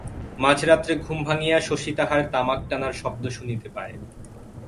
মাঝরাত্রে ঘুম ভাঙিয়া শশী তাহার তামাক টানার শব্দ শুনিতে পায়।